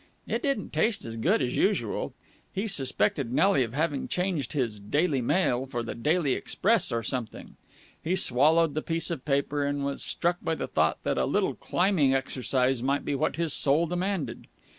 It didn't taste as good as usual. He suspected Nelly of having changed his Daily Mail for the Daily Express or something. He swallowed the piece of paper, and was struck by the thought that a little climbing exercise might be what his soul demanded.